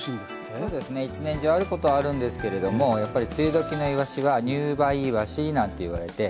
そうですね一年中あることはあるんですけれどもやっぱり梅雨時のいわしは「入梅いわし」なんていわれて。